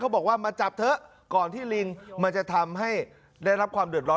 บอกว่ามาจับเถอะก่อนที่ลิงมันจะทำให้ได้รับความเดือดร้อน